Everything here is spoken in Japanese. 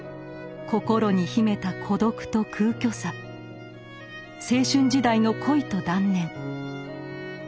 心に秘めた孤独と空虚さ青春時代の恋と断念。